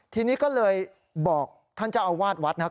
ทีนี้ก็เลยบอกท่านเจ้าอาวาสวัดนะครับ